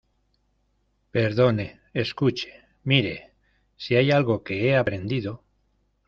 perdone, escuche , mire , si hay algo que he aprendido